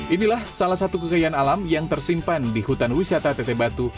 inilah salah satu kekayaan alam yang tersimpan di hutan wisata teteh batu